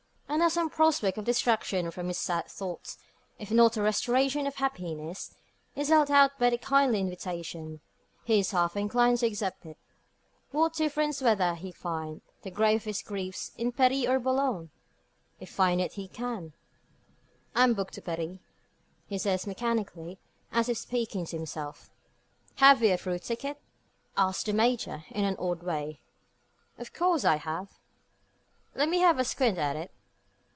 And as some prospect of distraction from his sad thoughts if not a restoration of happiness is held out by the kindly invitation, he is half inclined to accept it. What difference whether he find the grave of his griefs in Paris or Boulogne if find it he can? "I'm booked to Paris," he says mechanically, and as if speaking to himself. "Have you a through ticket?" asks the Major, in an odd way. "Of course I have." "Let me have a squint at it?"